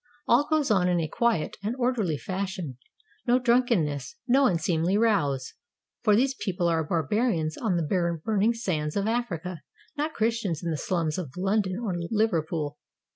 All goes on in a quiet and orderly fashion; no drunken ness, no unseemly rows, for these people are barbarians on the burning sands of Africa, not Christians in the slums of London or Liverpool.